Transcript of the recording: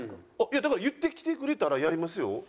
いやだから言ってきてくれたらやりますよ。